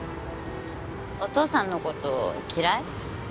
お父さんのこと嫌い？